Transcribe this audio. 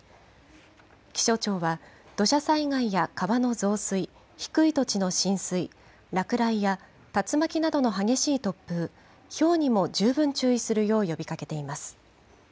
気象庁は、土砂災害や川の増水、低い土地の浸水、落雷や竜巻などの激しい突風、ひょうにも十分注意するよう呼びかけています。